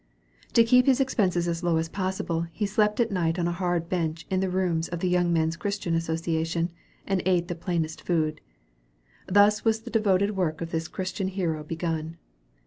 To keep his expenses as low as possible, he slept at night on a hard bench in the rooms of the Young Men's Christian Association, and ate the plainest food. Thus was the devoted work of this Christian hero begun.